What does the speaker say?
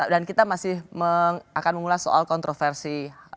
dan kita masih akan mengulas soal kontroversi